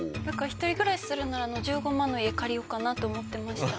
一人暮らしするなら１５万の家借りようかなと思ってました。